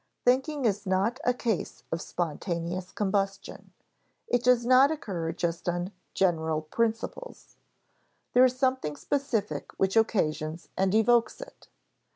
Thinking is not a case of spontaneous combustion; it does not occur just on "general principles." There is something specific which occasions and evokes it.